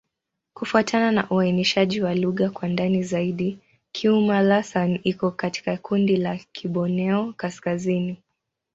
Kufuatana na uainishaji wa lugha kwa ndani zaidi, Kiuma'-Lasan iko katika kundi la Kiborneo-Kaskazini.